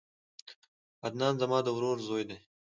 عدنان زما د ورور زوی دی